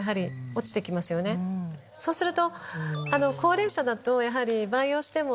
そうすると。